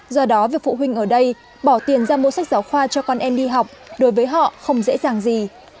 do đó việc phụ huynh ở đây bỏ tiền ra mua sách giáo khoa cho con em đi học đối với họ không dễ dàng gì